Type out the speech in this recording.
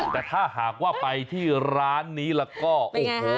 แต่ถ้าหากว่าไปที่ร้านนี้แล้วก็โอ้โห